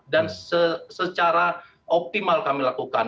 dan secara optimal kami lakukan